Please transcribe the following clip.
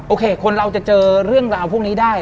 คนเราจะเจอเรื่องราวพวกนี้ได้